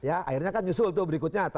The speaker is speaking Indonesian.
akhirnya kan nyusul tuh berikutnya